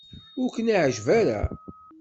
Ur ken-iɛejjeb ara.